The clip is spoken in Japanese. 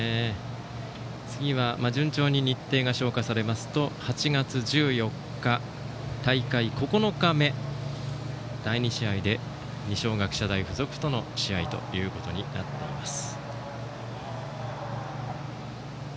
次は、順調に日程が消化されますと８月１４日、大会９日目第２試合で二松学舎大付属との試合ということになっています。